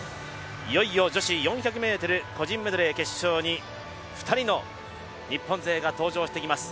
いよいよ、女子４００ｍ個人メドレー決勝に２人の日本勢が登場してきます。